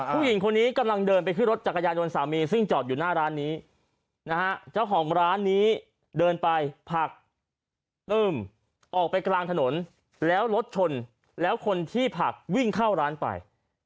ผู้หญิงคนนี้กำลังเดินไปขึ้นรถจักรยานยนต์สามีซึ่งจอดอยู่หน้าร้านนี้นะฮะเจ้าของร้านนี้เดินไปผักตื้มออกไปกลางถนนแล้วรถชนแล้วคนที่ผักวิ่งเข้าร้านไป